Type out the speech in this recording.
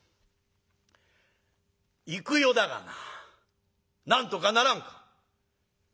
「幾代だがななんとかならんか？」。